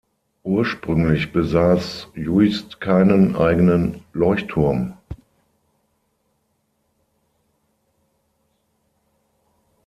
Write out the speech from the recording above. Ursprünglich besaß Juist keinen eigenen Leuchtturm.